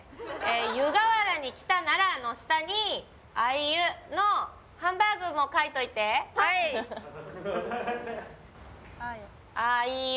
「湯河原に来たなら」の下に亜伊由のハンバーグも書いといて亜伊